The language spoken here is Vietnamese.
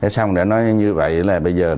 xong rồi nói như vậy là bây giờ